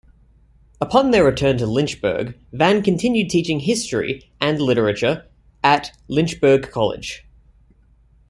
Upon their return to Lynchburg, Van continued teaching history and literature at Lynchburg College.